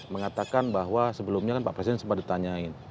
mengatakan bahwa sebelumnya kan pak presiden sempat ditanyain